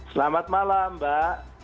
selamat malam mbak